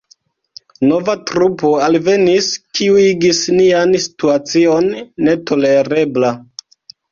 Nova trupo alvenis, kiu igis nian situacion netolerebla.